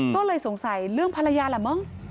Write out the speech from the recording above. ก็เลยสงสัยเรื่องภรรยาแหละมั้ง